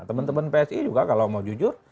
teman teman psi juga kalau mau jujur